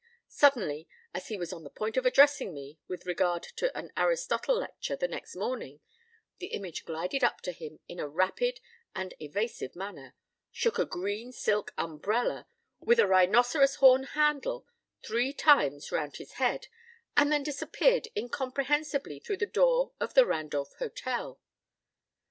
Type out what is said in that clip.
Suddenly, as he was on the point of addressing me with regard to my Aristotle lecturethe next morning, the image glided up to him in a rapid and evasive manner, shook a green silk umbrella with a rhinoceros horn handle three times around his head, and then disappeared incomprehensibly through the door of the Randolph Hotel.